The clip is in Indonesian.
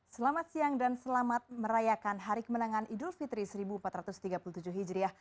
selamat siang dan selamat merayakan hari kemenangan idul fitri seribu empat ratus tiga puluh tujuh hijriah